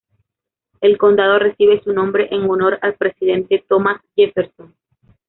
El condado recibe su nombre en honor al Presidente Thomas Jefferson.